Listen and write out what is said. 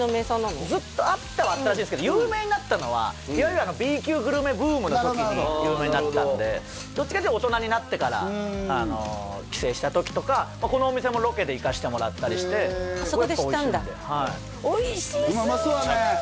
ずっとあったはあったらしいんですけど有名になったのはいわゆるＢ級グルメブームの時に有名になったのでどっちかっていうと大人になってから帰省した時とかこのお店もロケで行かせてもらったりしてそこで知ったんだはいおいしそううまそうだね